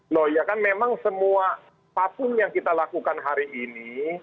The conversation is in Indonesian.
loh ya kan memang semua apapun yang kita lakukan hari ini